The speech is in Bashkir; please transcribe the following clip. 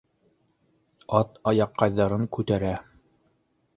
Ат аяҡҡайҙарын күтәрә